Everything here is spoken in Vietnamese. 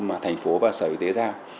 mà thành phố và sở y tế ra